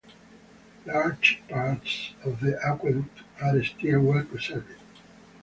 Large parts of the aqueduct are still well preserved.